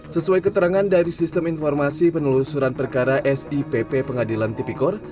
sesuai keterangan dari sistem informasi penelusuran perkara sipp pengadilan tipikor